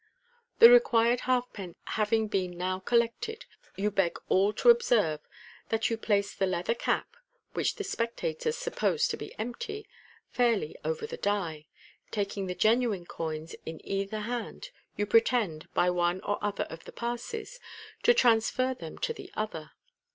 The required halfpence having been now collected, you beg all to observe that you place the leather cap (which the spectators suppose to be empty) fairly over the die. Taking the genuine coins in either hand, you pretend, by one or other of the passes, to transfer them to the other.